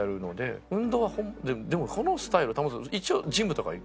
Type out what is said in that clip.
でもこのスタイル保つのに一応ジムとかは。